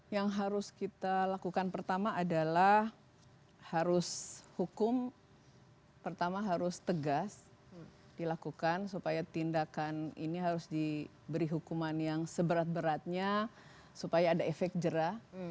yang harus kita lakukan pertama adalah harus hukum pertama harus tegas dilakukan supaya tindakan ini harus diberi hukuman yang seberat beratnya supaya ada efek jerah